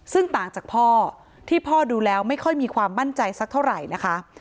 ซึ่งต่างจากพ่อที่พ่อดูแล้วไม่ค่อยมีความมั่นใจสักเท่าไหร่นะคะ